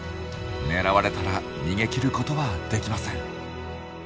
狙われたら逃げきることはできません。